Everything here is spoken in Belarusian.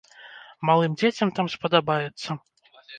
Малым дзецям там спадабаецца.